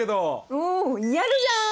おやるじゃん！